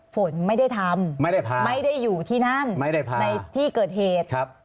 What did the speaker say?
ฝนไม่ได้ทำไม่ได้อยู่ที่นั่นในที่เกิดเหตุไม่ได้พา